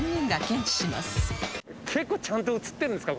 結構ちゃんと映ってるんですか？